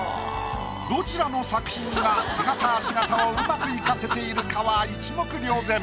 どちらの作品が手形足形を上手く生かせているかは一目瞭然。